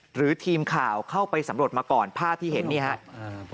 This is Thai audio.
หรือทีมข่าวเข้าไปสำรวจมาก่อนภาพที่เห็นนี่ครับ